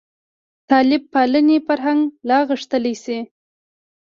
طالب پالنې فرهنګ لا غښتلی شي.